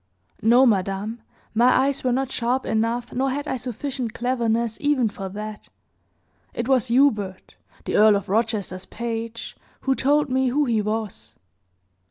"No, madame, my eyes were not sharp enough, nor had I sufficient cleverness, even, for that. It was Hubert, the Earl of Rochester's page, who told me who he was."